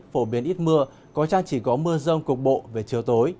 phổ biến ít mưa có chăng chỉ có mưa rông cục bộ về chiều tối